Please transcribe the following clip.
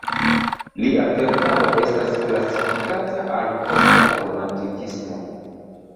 Lia verkaro estas klasifikata al posta romantikismo.